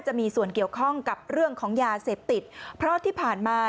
จะมีส่วนเกี่ยวข้องกับเรื่องของยาเสพติดเพราะที่ผ่านมา